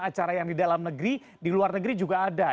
acara yang di dalam negeri di luar negeri juga ada